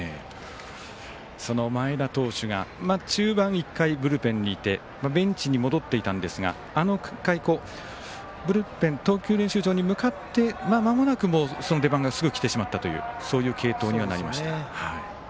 その前田投手が中盤１回ブルペンにいてベンチに戻っていたんですがあの１回、ブルペン投球練習場に向かってまもなく、その出番がすぐきてしまったというそういう継投にはなりました。